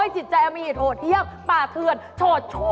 จิตใจเอาไม่ไหวโถ่เทียบปากเถือนโถ่ชั่ว